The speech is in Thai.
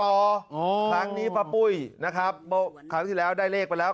โอ้โฮครั้งนี้พระปุ้ยนะครับครั้งที่แล้วได้เลขไปแล้ว